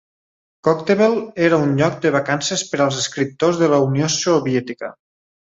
Koktebel era un lloc de vacances per als escriptors de la Unió Soviètica.